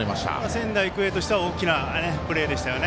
仙台育英としては大きなプレーでしたよね。